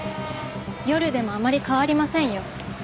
夜でもあまり変わりませんよ。